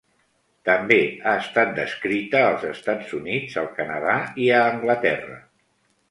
També ha estat descrita als Estats Units, al Canadà i a Anglaterra.